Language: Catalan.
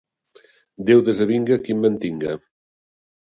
Déu desavinga a qui em mantinga